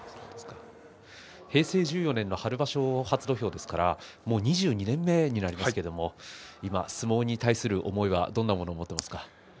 平成１４年の春場所初土俵ですからもう２２年目になるわけですが今、相撲に対する思いはどんなものを持っていますか？